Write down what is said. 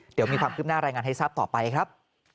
เดี๋ยวมีความคืบหน้ารายงานให้ทราบต่อไปครับ